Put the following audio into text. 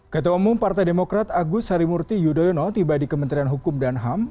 ketua umum partai demokrat agus harimurti yudhoyono tiba di kementerian hukum dan ham